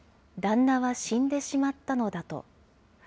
旦那は死んでしまったのだと。